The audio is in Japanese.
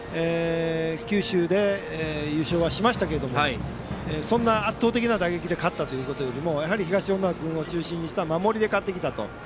九州で優勝はしましたけれども圧倒的な打撃で勝ったというよりも東恩納君を中心にした守りで勝ってきたと。